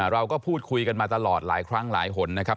เราก็พูดคุยกันมาตลอดหลายครั้งหลายหนนะครับ